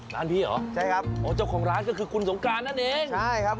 ร้านพี่เหรอโอ้โฮจับของร้านก็คือคุณสงกรานนั่นเองใช่ครับ